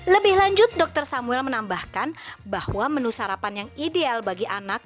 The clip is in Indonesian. lebih lanjut dokter samuel menambahkan bahwa menu sarapan yang ideal bagi anak